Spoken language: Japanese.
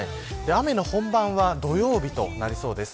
雨の本番は土曜日となりそうです。